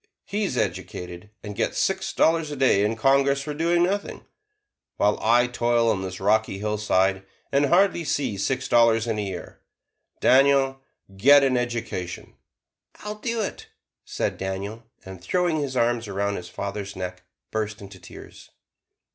he is educated and gets six dollars a day in Congress for doing nothing; while I toil on this rocky hillside and hardly see six dollars in a year. Daniel, get an education!" "I'll do it," said Daniel, and throwing his arms around his father's neck, burst into tears.